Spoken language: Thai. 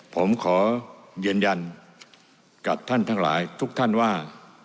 ผมขอยืนยันกับท่านทั้งหลายทุกท่านว่า